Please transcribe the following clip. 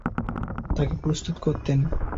তাকে প্রস্তুত করতেন।